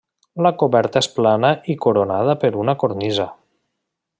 La coberta és plana i coronada per una cornisa.